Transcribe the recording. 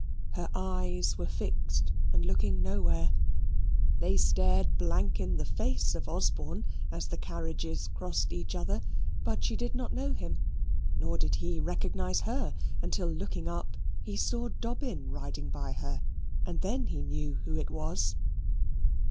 Her eyes were fixed, and looking nowhere. They stared blank in the face of Osborne, as the carriages crossed each other, but she did not know him; nor did he recognise her, until looking up, he saw Dobbin riding by her: and then he knew who it was.